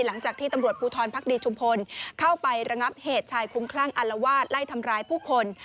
หลังจากที่ตำรวจภูทรภักดีชุมพลเข้าไประงับเหตุชายคุ้มคลั่งอัลวาดไล่ทำร้ายผู้คน